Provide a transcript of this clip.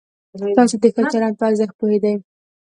تاسې د ښه چلند په ارزښت پوهېدئ؟